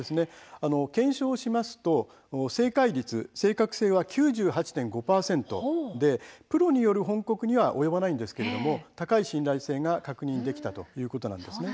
検証すると正確性は９８．５％でプロによる翻刻には及ばないんですけれども高い信頼性が確認できたということなんです。